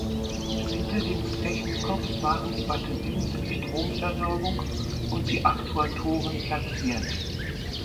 Hinter dem Gefechtskopf waren die Batterien für die Stromversorgung und die Aktuatoren platziert.